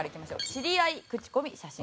知り合い口コミ写真。